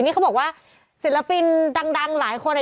นี่เขาบอกว่าศิลปินดังหลายคน